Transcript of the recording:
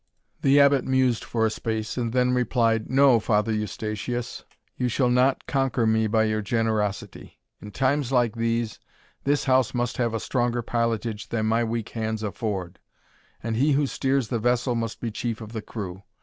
The Abbot mused for a space, and then replied, "No, Father Eustatius, you shall not conquer me by your generosity. In times like these, this house must have a stronger pilotage than my weak hands afford; and he who steers the vessel must be chief of the crew.